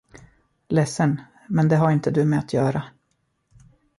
Ledsen, men det har inte du med att göra.